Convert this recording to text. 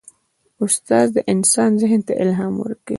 استاد د انسان ذهن ته الهام ورکوي.